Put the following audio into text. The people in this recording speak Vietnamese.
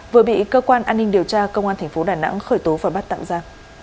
vừa bị cơ quan an ninh điều tra công an tp đà nẵng khởi tố và bắt tạm ra